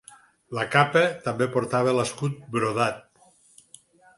La capa també portava l'escut brodat.